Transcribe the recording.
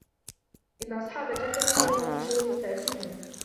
إِنَّ أَصحابَ الجَنَّةِ اليَومَ في شُغُلٍ فاكِهونَ